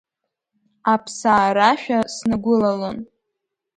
Аԥсаа рашәа снагәылалон.